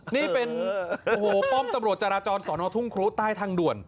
นี่เป็นป้อมตำรวจจารจรสรณทุ่งครุฑใต้ทางด่วน